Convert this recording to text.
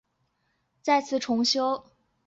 清康熙二年再次重修。